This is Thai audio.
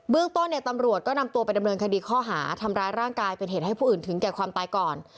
ต้นเนี่ยตำรวจก็นำตัวไปดำเนินคดีข้อหาทำร้ายร่างกายเป็นเหตุให้ผู้อื่นถึงแก่ความตายก่อน